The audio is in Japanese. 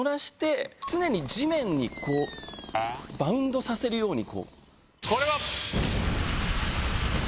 常に地面にバウンドさせるように。